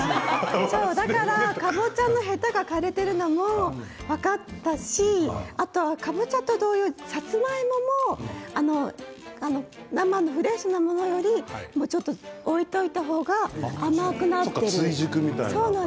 だから、かぼちゃのヘタが枯れていたのも分かったしかぼちゃと同様にさつまいもも生のフレッシュなものよりちょっと置いておいた方が追熟みたいな。